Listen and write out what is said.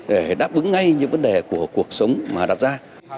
để đáp ứng ngay những vấn đề của cuộc sống mà đặt ra